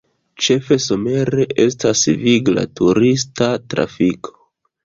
Ĉefe somere estas vigla turista trafiko.